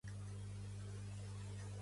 Pertany al moviment independentista l'Ines?